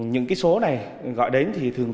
những cái số này gọi đến thì thường